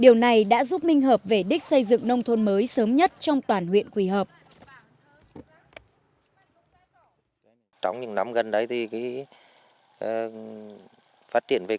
điều này đã giúp minh hợp về đích xây dựng nông thôn mới sớm nhất trong toàn huyện quỳ hợp